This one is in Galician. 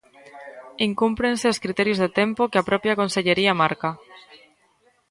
Incúmprense os criterios de tempo que a propia Consellería marca.